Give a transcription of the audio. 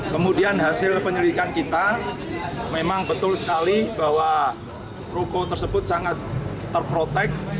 kemudian hasil penyelidikan kita memang betul sekali bahwa ruko tersebut sangat terprotek